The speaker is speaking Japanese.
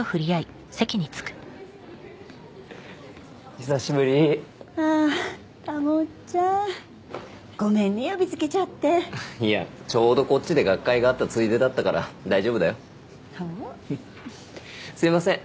久しぶりああーたもっちゃんごめんね呼びつけちゃっていやちょうどこっちで学会があったついでだったから大丈夫だよどうもすいません